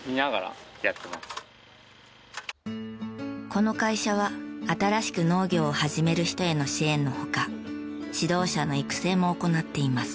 この会社は新しく農業を始める人への支援の他指導者の育成も行っています。